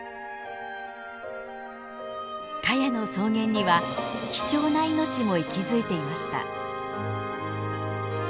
カヤの草原には貴重な命も息づいていました。